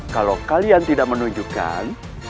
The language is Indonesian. kalau kalian tidak menunjukkan